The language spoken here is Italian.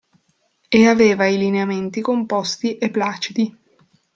E aveva i lineamenti composti e placidi.